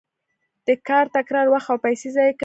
د کار تکرار وخت او پیسې ضایع کوي.